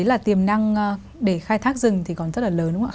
đấy là tiềm năng để khai thác rừng thì còn rất là lớn không ạ